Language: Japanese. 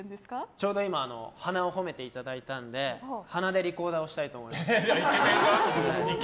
ちょうど今鼻を褒めていただいたので鼻でリコーダーをしたいと思います。